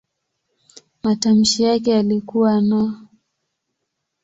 Matamshi yake yalikuwa "n".